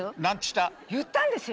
言ったんですよ